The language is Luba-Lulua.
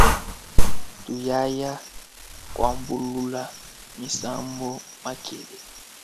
Tuyaya kuambulula misambu makelela.